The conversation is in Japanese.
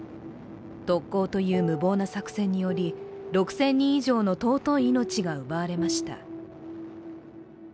特攻という無謀な作戦により６０００人以上の尊い命が奪われました。